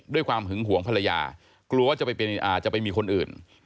ด้วยความหึงห่วงภรรยากลัวจะไปเป็นอาจจะไปมีคนอื่น